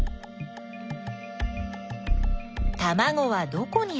たまごはどこにある？